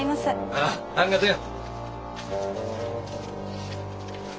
ああありがとよ。